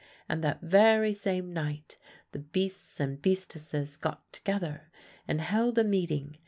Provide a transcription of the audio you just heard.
And that very same night the beasts and beastesses got together, and held a meeting.